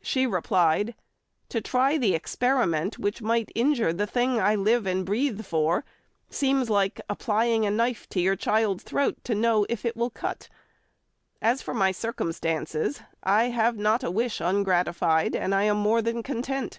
She replied, "To try the experiment, which might injure the thing I live and breathe for, seems like applying a knife to your child's throat to know if it will cut. As for my circumstances, I have not a wish ungratified, and am more than content."